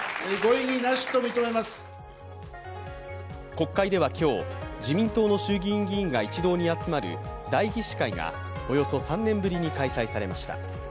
国会では今日、自民党の衆議院議員が一堂に集まる代議士会がおよそ３年ぶりに開催されました。